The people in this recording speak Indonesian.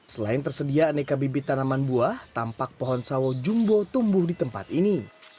selain tersedia aneka bibit tanaman buah tampak pohon sawo jumbo tumbuh di tempat ini